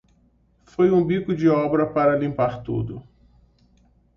Foi um bico de obra para limpar tudo.